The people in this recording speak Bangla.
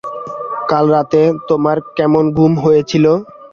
কাল রাতে তোমার কেমন ঘুম হয়েছিল?